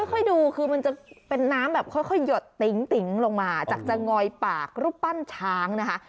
ค่อยดูคือมันจะเป็นน้ำแบบค่อยหยดติ๊งลงมาจากจะงอยปากรูปปั้นช้างนะคะ